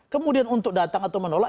kemudian untuk datang atau menolak